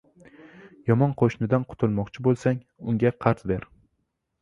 • Yomon qo‘shnidan qutulmoqchi bo‘lsang, unga qarz ber.